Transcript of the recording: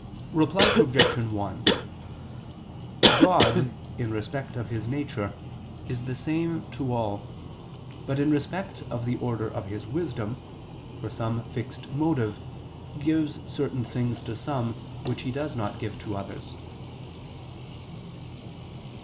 Reply Obj. 1: God, in respect of His Nature, is the same to all, but in respect of the order of His Wisdom, for some fixed motive, gives certain things to some, which He does not give to others.